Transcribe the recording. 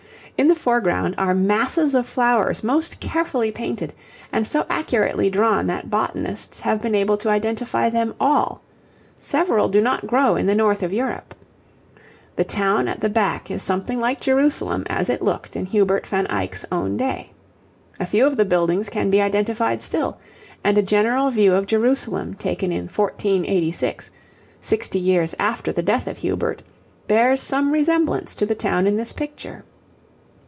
In the foreground are masses of flowers most carefully painted, and so accurately drawn that botanists have been able to identify them all; several do not grow in the north of Europe. The town at the back is something like Jerusalem as it looked in Hubert van Eyck's own day. A few of the buildings can be identified still, and a general view of Jerusalem taken in 1486, sixty years after the death of Hubert, bears some resemblance to the town in this picture.